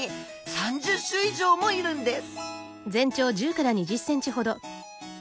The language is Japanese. ３０種以上もいるんです